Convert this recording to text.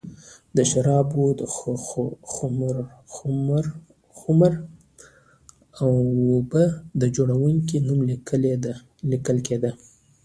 د شرابو پر خُمر و به د جوړوونکي نوم لیکل کېده